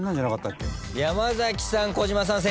山崎さん児嶋さん